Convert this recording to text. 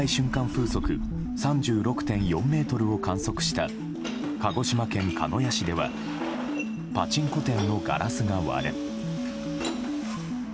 風速３６．４メートルを観測した鹿児島県鹿屋市ではパチンコ店のガラスが割れ。